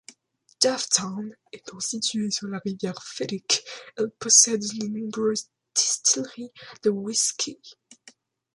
Dufftown étant située sur la rivière Fiddich, elle possède de nombreuses distilleries de whisky.